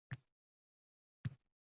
Har bir nafasimni she’rim tushundi.